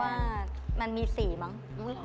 เพราะว่ามันมีสีมั้ง